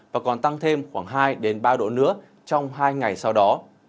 và còn tăng thêm khoảng hai ba độ nữa trong hai ngày sau đó